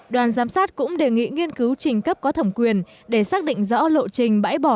đoàn giám sát cũng đề nghị nghiên cứu trình cấp có thẩm quyền để xác định rõ lộ trình bãi bỏ